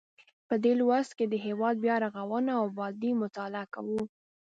په دې لوست کې د هیواد بیا رغونه او ابادي مطالعه کوو.